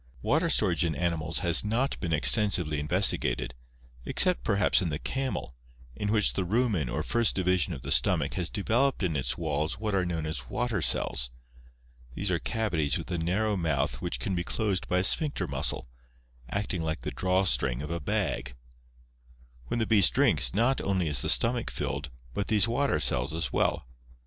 — Water storage in animals has not been extensively investigated, except perhaps in the camel, in which the rumen or first division of the stomach has developed in its walls what are known as water cells. These are cavities with a narrow mouth which can be closed by a sphincter muscle, acting like the draw string of a bag. When the beast drinks, not only is the stomach filled, but these water cells as well.